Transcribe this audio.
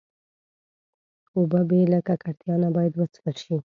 اوبه بې له ککړتیا نه باید وڅښل شي.